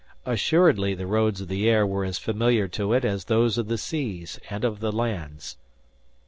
Assuredly the roads of the air were as familiar to it as those of the seas and of the lands!